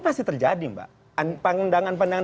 masih terjadi mbak pandangan pandangan